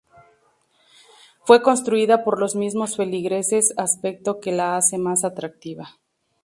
Fue construida por los mismos feligreses, aspecto que la hace más atractiva.